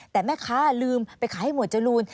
แต่แม่ค้าลืมไปขายให้หมวดจรูน